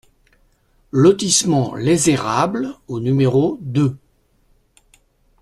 Lotissement Les Érables au numéro deux